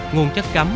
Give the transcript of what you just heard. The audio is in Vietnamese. nguồn chất cấm